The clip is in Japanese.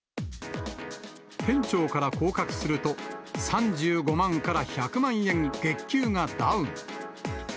店長から降格すると、３５万から１００万円、月給がダウン。